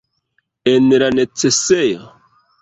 En la necesejo?